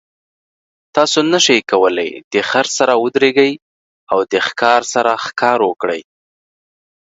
تاسو نشئ کولی د خر سره ودریږئ او د ښکار سره ښکار وکړئ.